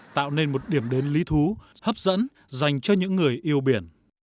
tạo nên một điểm đến lý thú hấp dẫn dành cho những người yêu biển